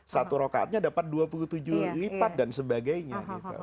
satu rokaatnya dapat dua puluh tujuh lipat dan sebagainya